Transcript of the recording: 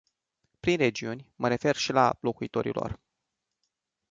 Prin regiuni, mă refer și la locuitorii lor.